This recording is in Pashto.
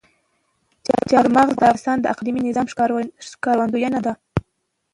چار مغز د افغانستان د اقلیمي نظام ښکارندوی ده.